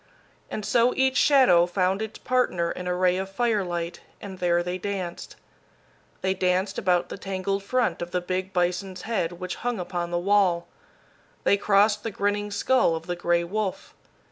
And so each shadow found its partner in a ray of firelight, and there they danced. They danced about the tangled front of the big bison's head which hung upon the wall. They crossed the grinning skull of the gray wolf.